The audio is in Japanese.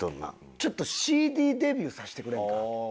ちょっとＣＤデビューさせてくれんか？